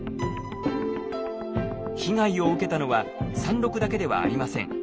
被害を受けたのは山麓だけではありません。